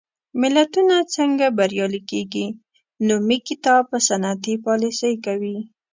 ملتونه څنګه بریالي کېږي؟ نومي کتاب په صنعتي پالېسۍ کوي.